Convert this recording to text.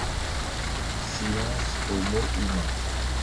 Silence aux mots humains !